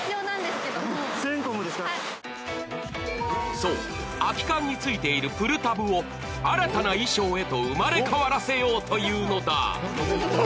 そう、空き缶についているプルタブを新たな衣装へと生まれ変わらせようというのだ。